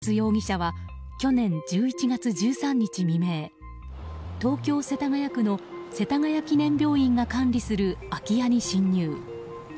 村松容疑者は去年１１月１３日未明東京・世田谷区の世田谷記念病院が管理する空き家に侵入。